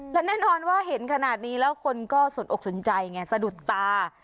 และแน่นอนว่าเห็นขนาดนี้แล้วคนก็สนอกสนใจไงสะดุดตา